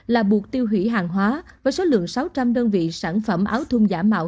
là buộc tiêu hủy hàng hóa với số lượng sáu trăm linh đơn vị sản phẩm áo thun giả mạo